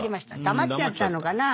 黙っちゃったのかな。